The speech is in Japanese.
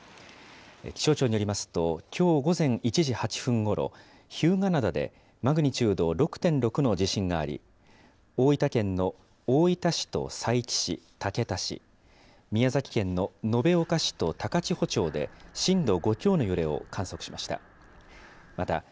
気象庁によりますと、きょう午前１時８分ごろ、日向灘でマグニチュード６．６の地震があり、大分県の大分市と佐伯市、竹田市、宮崎県の延岡市と高千穂町で震度５強の揺れを観測しました。